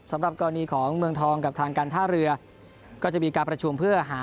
สำหรับกรณีของเมืองทองกับทางการท่าเรือก็จะมีการประชุมเพื่อหา